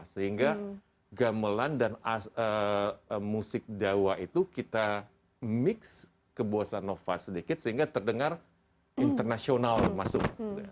sehingga gamelan dan musik jawa itu kita mix ke bosanova sedikit sehingga terdengar internasional masuk